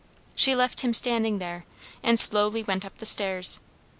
She left him standing there, and slowly went up the stairs.